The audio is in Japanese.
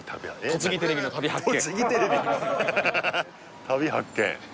とちぎテレビの「旅！発見」